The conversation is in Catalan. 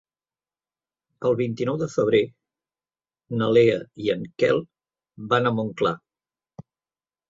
El vint-i-nou de febrer na Lea i en Quel van a Montclar.